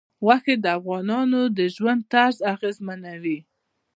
غوښې د افغانانو د ژوند طرز اغېزمنوي.